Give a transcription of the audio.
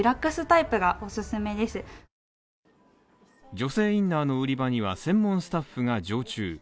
女性インナーの売り場には専門スタッフが常駐。